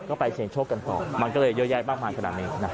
ก็ไปเสียงโชคกันต่อมันก็เลยเยอะแยะมากมายขนาดนี้นะ